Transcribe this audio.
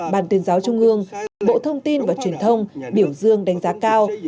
ban tuyên giáo trung ương bộ thông tin và truyền thông biểu dương đánh giá cao